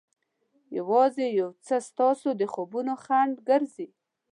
یوازې یو څه ستاسو د خوبونو خنډ ګرځي.